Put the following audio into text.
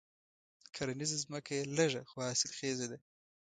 کرنيزه ځمکه یې لږه خو حاصل خېزه ده.